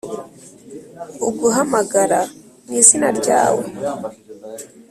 uguhamagara mu izina ryawe.